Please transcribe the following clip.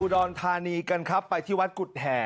กูดอนทานีกันครับไปที่วัดกุฏแห่